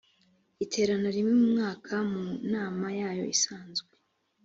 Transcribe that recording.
iterana rimwe mu mwaka mu nama yayo isanzwe